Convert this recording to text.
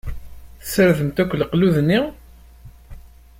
Tessardemt akk leqlud-nni?